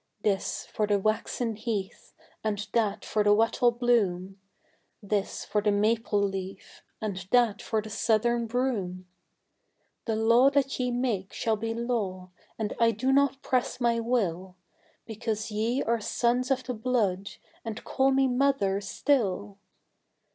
This for the waxen Heath, and that for the Wattle bloom, This for the Maple leaf, and that for the southern Broom. The Law that ye make shall be law and I do not press my will, Because ye are Sons of The Blood and call me Mother still.